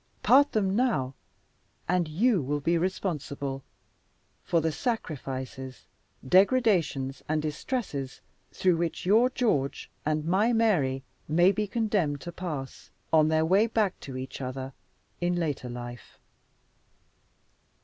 Part them now and YOU will be responsible for the sacrifices, degradations and distresses through which your George and my Mary may be condemned to pass on their way back to each other in later life.